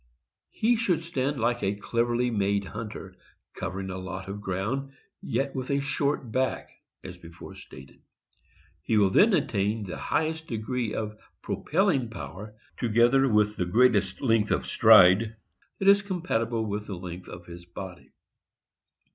He should stand like a cleverly made hunter, covering a lot of ground, yet with a short back, as before stated. He will then attain the highest degree of propelling power together with the greatest length of stride that is compatible with the length of his body.